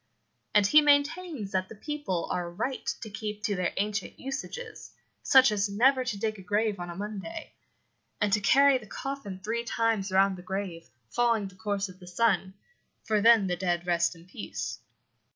And he maintains that the people are right to keep to their ancient usages, such as never to dig a grave on a Monday, and to carry the coffin three times round the grave, following the course of the sun, for then the dead rest in peace.